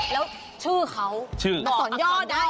แล้วชื่อเขาอักษรย่อได้